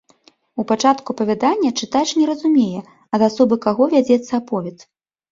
У пачатку апавядання чытач не разумее, ад асобы каго вядзецца аповед.